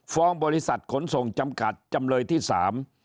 บริษัทขนส่งจำกัดจำเลยที่สาม